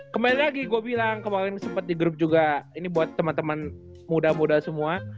kembali lagi gue bilang kemarin sempat di grup juga ini buat teman teman muda muda semua